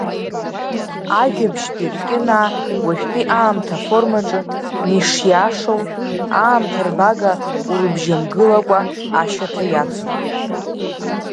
Ажәабжьтәи ркьынаа уажәтәи аамҭа аформаҿы -мишиашоу, аамҭа рбага -урыбжьамгылакәа, ашьаҭа иацлоит.